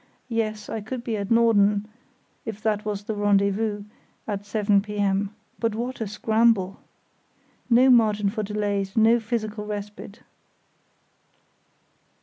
Yes, I could be at Norden, if that was the "rendezvous", at 7 p.m. But what a scramble! No margin for delays, no physical respite.